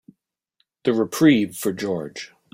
The reprieve for George.